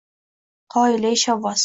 Qoyilley, shovvoz!